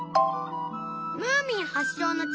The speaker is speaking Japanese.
『ムーミン』発祥の地